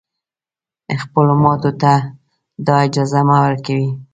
خپلو ماتو ته دا اجازه مه ورکوی